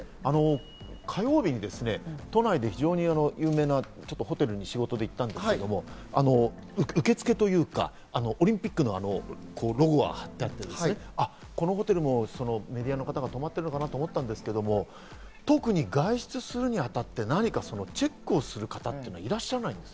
火曜日都内で有名なホテルに仕事で行ったんですけど、受付というか、オリンピックのロゴがはってあって、このホテルもメディアの方が泊まってるのかなと思ったんですけど、特に外出するにあたってチェックをする方っていうのは、いらっしゃらないんです。